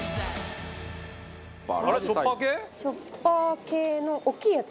チョッパー系の大きいやつ。